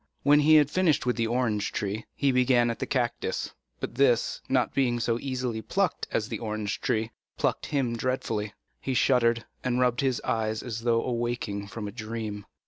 When he had finished with the orange tree, he began at the cactus; but this, not being so easily plucked as the orange tree, pricked him dreadfully. He shuddered, and rubbed his eyes as though awaking from a dream.